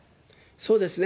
そうですね。